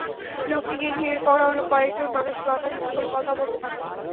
লোকটিকে ঘিরে আরও কয়েকজন মানুষ মাথা নিচু করে কথা বলতে থাকল।